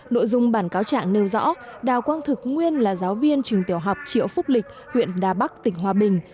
nội dung bản cáo trạng nêu rõ đào quang thực nguyên là giáo viên trường tiểu học triệu phúc lịch huyện đà bắc tỉnh hòa bình